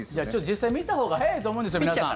実際見たほうが早いと思うんですよ、皆さん。